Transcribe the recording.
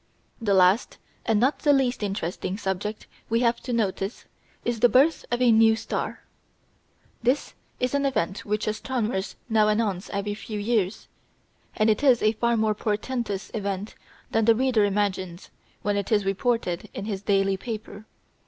The last, and not the least interesting, subject we have to notice is the birth of a "new star." This is an event which astronomers now announce every few years; and it is a far more portentous event than the reader imagines when it is reported in his daily paper.